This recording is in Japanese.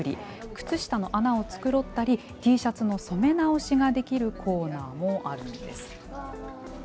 靴下の穴を繕ったりＴシャツの染め直しができるコーナーもあるんです。